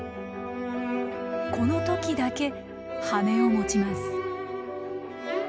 この時だけ羽を持ちます。